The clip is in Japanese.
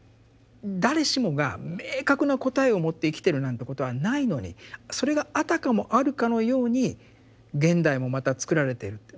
誰しもが明確な答えを持って生きてるなんてことはないのにそれがあたかもあるかのように現代もまた作られている。